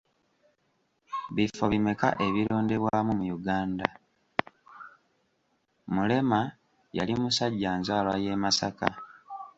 Mulema, yali musajja nzaalwa y'e Masaka.